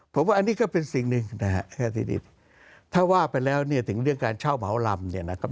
ผมว่าอันนี้ก็เป็นสิ่งหนึ่งนะฮะทีนี้ถ้าว่าไปแล้วเนี่ยถึงเรื่องการเช่าเหมาลำเนี่ยนะครับ